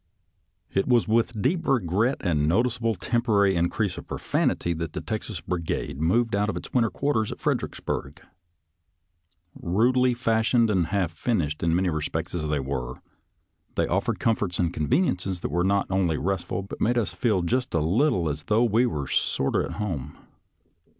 It was with deep regret and a noticeable tem porary increase of profanity that the Texas Brigade moved out of its winter quarters at Fredericksburg. Eudely fashioned and half finished in many respects as they were, they of fered comforts and conveniences that were not only restful, but made us feel just a little as though we were " sorter at home."